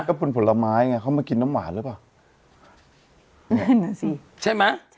ผลไม้ไงเขามากินน้ำหวานหรือเปล่านั่นน่ะสิใช่ไหม